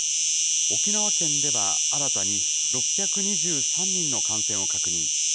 沖縄県では、新たに６２３人の感染を確認。